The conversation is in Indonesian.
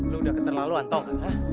lo udah keterlaluan tau gak